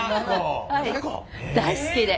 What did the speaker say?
大好きで。